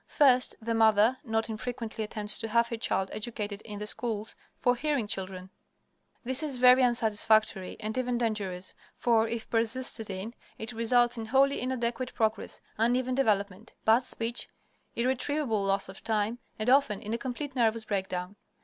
First the mother not infrequently attempts to have her child educated in the schools for hearing children. This is very unsatisfactory and even dangerous, for if persisted in it results in wholly inadequate progress, uneven development, bad speech, irretrievable loss of time, and often in a complete nervous breakdown.